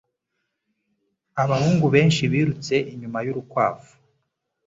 Abahungu benshi birutse inyuma yurukwavu